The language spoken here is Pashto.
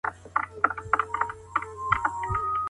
د مختلفو نظریاتوغوښتل د پروژو بریالیتوب کې مرسته کوي.